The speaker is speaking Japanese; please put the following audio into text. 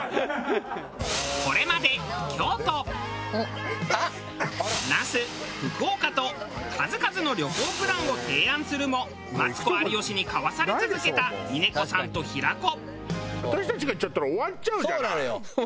これまで京都那須福岡と数々の旅行プランを提案するもマツコ有吉にかわされ続けた峰子さんと平子。